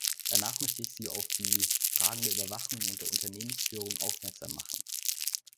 Danach möchte ich Sie auf die Fragen der Überwachung und der Unternehmensführung aufmerksam machen.